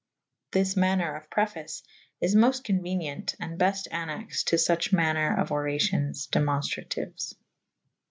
This maner of preface is moite conuenyent and beft annexyd to luche maner of oracyons demonftratyues.